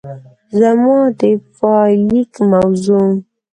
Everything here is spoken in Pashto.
زما د پايليک موضوع